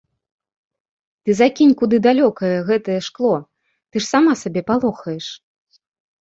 Ты закінь куды далёка гэтае шкло, ты ж сама сябе палохаеш.